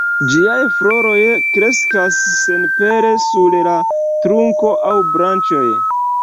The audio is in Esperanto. Ĝiaj floroj kreskas senpere sur la trunko aŭ branĉoj.